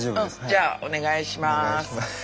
じゃあお願いします。